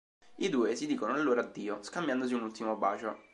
I due si dicono allora addio, scambiandosi un ultimo bacio.